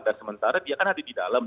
dan sementara dia kan ada di dalam